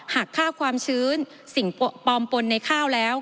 หากค่าความชื้นสิ่งปลอมปนในข้าวแล้ว